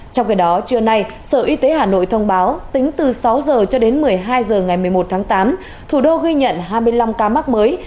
trong khi đó trưa nay sở y tế hà nội thông báo tính từ sáu h cho đến một mươi hai h ngày một mươi một tháng tám thủ đô ghi nhận hai mươi năm ca mắc mới